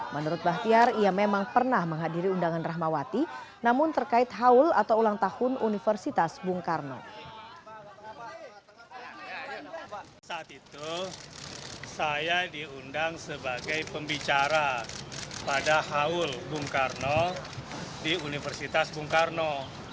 menurut bahtiar ia memang pernah menghadiri undangan rahmawati namun terkait haul atau ulang tahun universitas bung karno